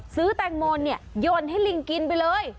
ซื้อแตงโมเนี่ยโยนให้ลิงกินไปเลย